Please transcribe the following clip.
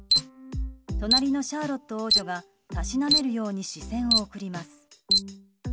隣のシャーロット王女がたしなめるように視線を送ります。